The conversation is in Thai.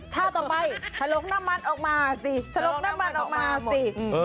ท่าต่อไปถลกน้ำมันออกมาสิถลกน้ำมันออกมาสิ